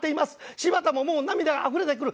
柴田ももう涙があふれてくる。